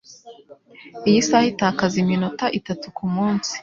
Iyi saha itakaza iminota itatu kumunsi.